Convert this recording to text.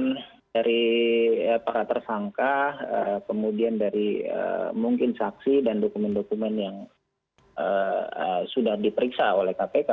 keterangan dari para tersangka kemudian dari mungkin saksi dan dokumen dokumen yang sudah diperiksa oleh kpk